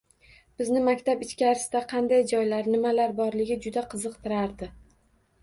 Bizni maktab ichkarisida qanday joylar, nimalar borligi juda qiziqtirardi